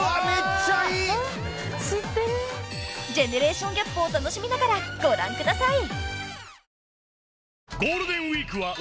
［ジェネレーションギャップを楽しみながらご覧ください］